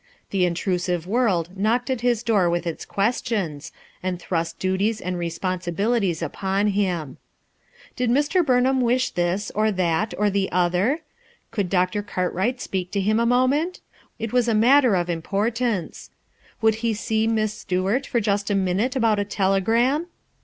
The intrusive Worlj knocked at his door with its questions, and thrust duties and responsibilities upon him. Did Mr. Burnham wish this, or that, or the other ? Could Dr. Cartwright speak to Mm a moment? It was a matter of importance. Would he see Miss Stuart for just a minute about a telegram